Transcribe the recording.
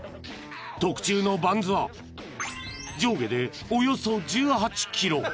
［特注のバンズは上下でおよそ１８ｋｇ］